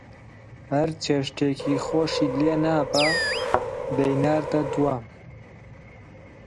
هەر چێشتێکی خۆشی لێنابا، دەیناردە دوام